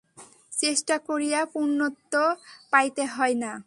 চেষ্টা করিয়া পূর্ণত্ব পাইতে হয় না।